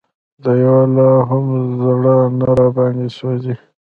د یوه لا هم زړه نه راباندې سوزي